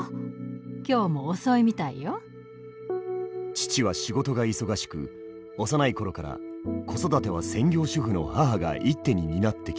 父は仕事が忙しく幼い頃から子育ては専業主婦の母が一手に担ってきた。